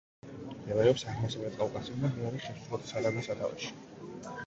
მდებარეობს აღმოსავლეთ კავკასიონზე, მდინარე ხევსურეთის არაგვის სათავეში.